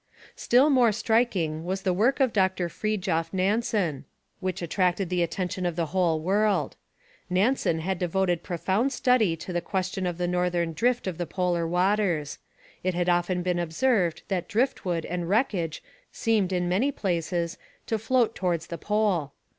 Still more striking was the work of Dr Fridtjof Nansen, which attracted the attention of the whole world. Nansen had devoted profound study to the question of the northern drift of the polar waters. It had often been observed that drift wood and wreckage seemed, in many places, to float towards the Pole.